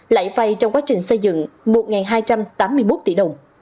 lãi vay trong quá trình xây dựng một hai trăm tám mươi một tỷ đồng